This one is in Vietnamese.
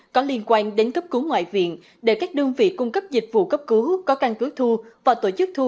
có liên quan đến cấp cứu ngoại viện để các đơn vị cung cấp dịch vụ cấp cứu